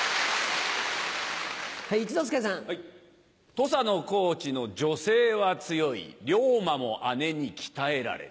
土佐の高知の女性は強い龍馬も姉に鍛えられ。